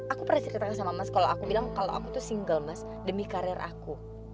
aku pernah ceritanya sama mas kalau aku bilang kalau aku tuh single mas demi karir aku